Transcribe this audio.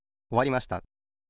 おわりました。